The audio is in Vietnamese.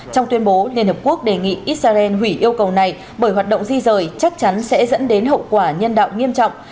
trong tuyên bố liên hợp quốc đề nghị israel hủy yêu cầu này bởi hoạt động di rời chắc chắn sẽ dẫn đến hậu quả nhân đạo nghiêm trọng